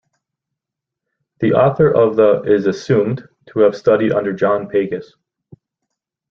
The author of the is assumed to have studied under John Pagus.